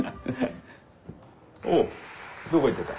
おうどこ行ってた？